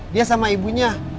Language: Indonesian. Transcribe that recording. dia sama ibunya